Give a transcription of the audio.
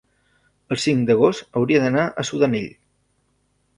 el cinc d'agost hauria d'anar a Sudanell.